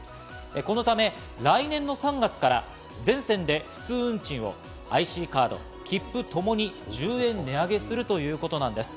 このため来年の３月から全線で普通運賃をＩＣカード、切符ともに１０円値上げするということなんです。